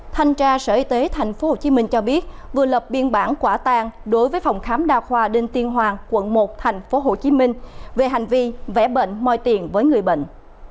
thanh tra sở y tế tp hcm cho biết vừa lập biên bản quả tang đối với phòng khám đa khoa đinh tiên hoàng quận một tp hcm về hành vi vẽ bệnh moi tiền với người bệnh